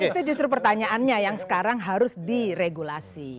itu justru pertanyaannya yang sekarang harus diregulasi